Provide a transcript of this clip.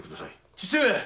父上！